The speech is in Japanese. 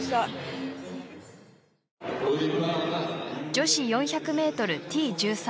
女子４００ｍＴ１３